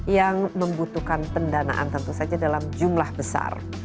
yang membutuhkan pendanaan tentu saja dalam jumlah besar